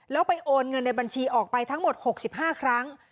แล้วไปโอนเงินในบัญชีออกไปทั้งหมด๖๕ครั้ง